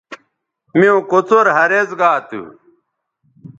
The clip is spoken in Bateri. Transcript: میوں کوڅر ھریز گا تھو